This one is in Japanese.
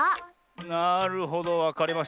なるほどわかりました。